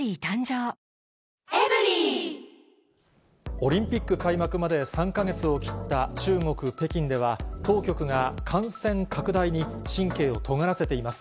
オリンピック開幕まで３か月を切った中国・北京では、当局が感染拡大に神経をとがらせています。